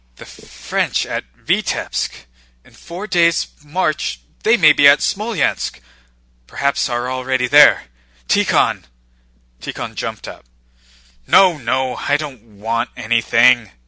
"The French at Vítebsk, in four days' march they may be at Smolénsk; perhaps are already there! Tíkhon!" Tíkhon jumped up. "No, no, I don't want anything!"